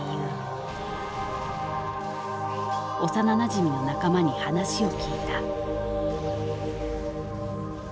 幼なじみの仲間に話を聞いた。